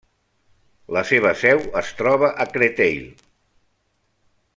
La seva seu es troba a Créteil.